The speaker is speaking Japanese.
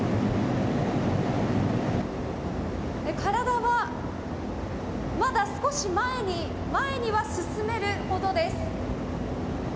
体はまだ少し前には進める程です。